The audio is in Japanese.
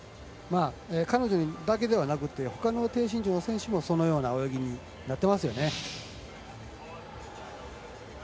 彼女だけではなくってほかの低身長の選手もそのような泳ぎになっていますね。